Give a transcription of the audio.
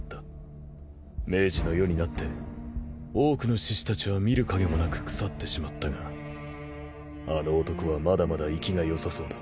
明治の世になって多くの志士たちは見る影もなく腐ってしまったがあの男はまだまだいきが良さそうだ。